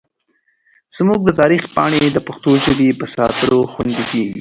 زموږ د تاریخ پاڼې د پښتو ژبې په ساتلو خوندي کېږي.